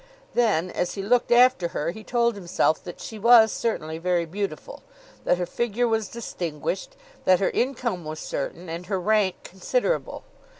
Then as he looked after her, he told himself that she was certainly very beautiful, that her figure was distinguished, that her income was certain, and her rank considerable.